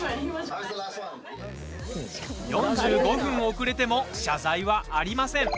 ４５分遅れても謝罪はありません。